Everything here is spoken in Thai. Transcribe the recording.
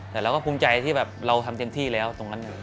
แต่เราก็ภูมิใจที่แบบเราทำเต็มที่แล้วตรงนั้นอยู่